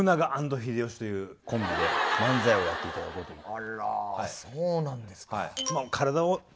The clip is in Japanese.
あらそうなんですか。